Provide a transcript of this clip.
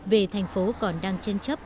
về thành phố còn đang chênh chấp